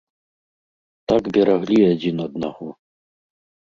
Так бераглі адзін аднаго.